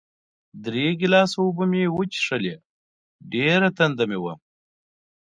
درې ګیلاسه اوبه مې وڅښلې، ډېره تنده مې وه.